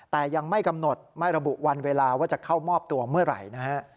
แต่ยังไม่กำหนดไม่ระบุวันเวลาว่าจะเข้ามอบตัวเมื่อไหร่นะฮะ